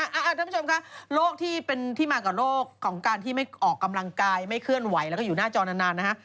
คุณผู้ชมค่ะโรคที่เป็นที่มากับโรคของการที่ไม่ออกกำลังกายไม่เคลื่อนไหวแล้วก็อยู่หน้าจอนานนะฮะ